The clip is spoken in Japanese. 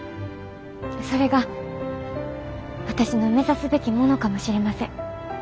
それが私の目指すべきものかもしれません。